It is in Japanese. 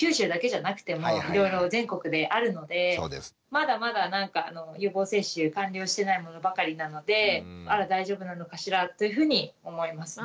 まだまだなんか予防接種完了してないものばかりなのであら大丈夫なのかしら？というふうに思いますね。